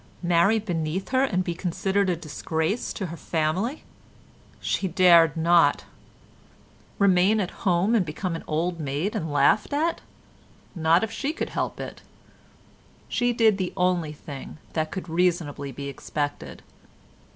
Marry beneath her and be considered a disgrace to her family? She dared not. Remain at home and become an old maid and be laughed at? Not if she could help it. She did the only thing that could reasonably be expected.